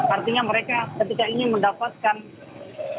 artinya mereka ketika ingin mendapatkan satu jus makanan siap saji saja